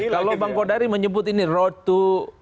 kalau bang kodari menyebut ini road to dua ribu dua puluh empat